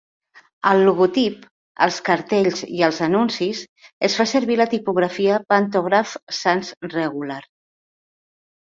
Al logotip, als cartells i als anuncis es fa servir la tipografia 'Pantograph sans regular'.